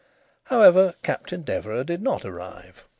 However, Captain Deverax did not arrive.